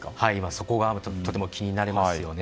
そこがとても気になりますよね。